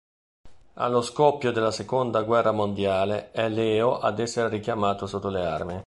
Allo scoppio della Seconda guerra mondiale è Leo ad essere richiamato sotto le armi.